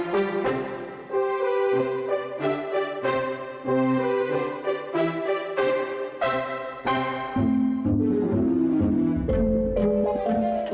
tapi nggak bunuh ya